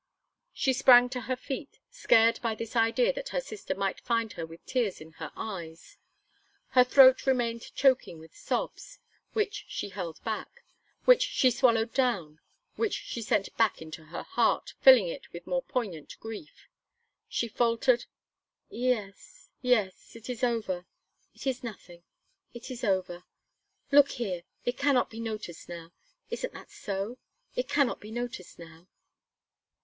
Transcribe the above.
She sprang to her feet, scared by this idea that her sister might find her with tears in her eyes. Her throat remained choking with sobs, which she held back, which she swallowed down, which she sent back into her heart, filling it with more poignant grief. She faltered: "Yes yes it is over it is nothing it is over. Look here! It cannot be noticed now. Isn't that so? It cannot be noticed now."